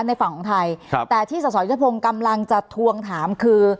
ในฝั่งของไทยครับแต่ที่สสยุทธพงศ์กำลังจะทวงถามคือ